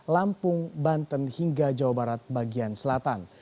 lampung banten hingga jawa barat bagian selatan